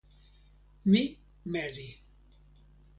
mi meli.